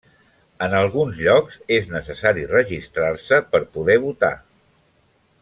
En alguns llocs és necessari registrar-se per poder votar.